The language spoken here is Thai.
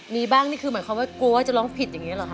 มีบ้างนี่คือหมายความว่ากลัวว่าจะร้องผิดอย่างนี้เหรอค